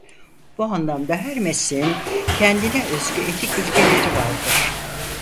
Bu anlamda her mesleğin kendine özgü etik ilkeleri vardır.